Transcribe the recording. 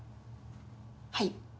はい。